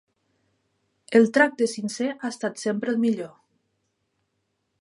El tracte sincer ha estat sempre el millor.